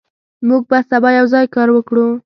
موږ به سبا یوځای کار وکړو.